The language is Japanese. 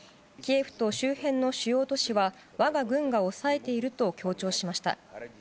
キエフと周辺の主要都市は我が軍が押さえていると強調しました。